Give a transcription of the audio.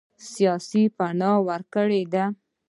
سیاسي پناه ورکړې ده.